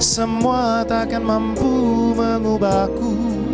semua takkan mampu mengubahku